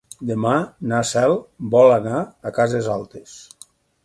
Demà na Cel vol anar a Cases Altes.